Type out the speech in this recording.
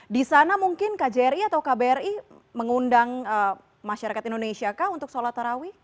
di sana mungkin kjri atau kbri mengundang masyarakat indonesia kah untuk sholat tarawih